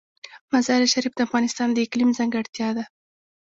مزارشریف د افغانستان د اقلیم ځانګړتیا ده.